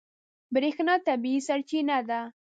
برېښنا طبیعي سرچینه ده.